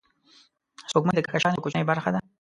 سپوږمۍ د کهکشان یوه کوچنۍ برخه ده